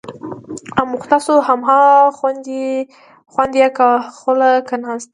اموخته شو، هماغه خوند یې خوله کې ناست دی.